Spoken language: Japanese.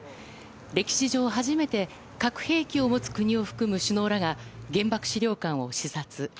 歴史上はじめて核兵器を持つ国を含む首脳らが原爆資料館を視察。